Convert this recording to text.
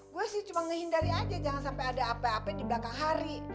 gue sih cuma ngehindari aja jangan sampai ada apa apa di belakang hari